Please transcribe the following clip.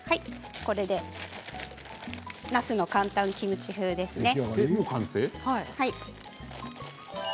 これでなすの簡単キムチ風ですね。